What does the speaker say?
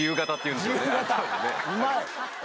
うまい。